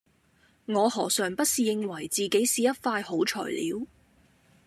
我何嘗不是認為自己是一塊好材料